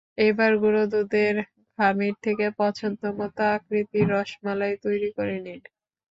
এবার গুঁড়া দুধের খামির থেকে পছন্দমতো আকৃতির রসমালাই তৈরি করে নিন।